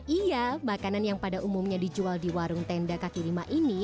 iya makanan yang pada umumnya dijual di warung tenda kaki lima ini